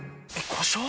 故障？